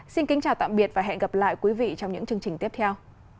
xin kính chào tạm biệt và hẹn gặp lại quý vị trong những chương trình tiếp theo